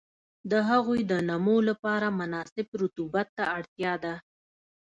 د هغوی د نمو لپاره مناسب رطوبت ته اړتیا ده.